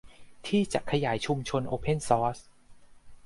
ที่จะขยายชุมชนโอเพ่นซอร์ส